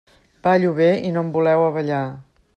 Ballo bé i no em voleu a ballar.